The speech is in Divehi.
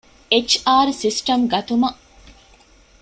އެޗް.އާރް ސިސްޓަމް ގަތުމަށް